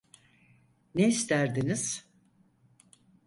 Ne isterdiniz?